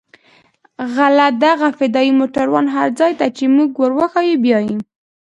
غله دغه فدايي موټران هر ځاى ته چې موږ وروښيو بيايي.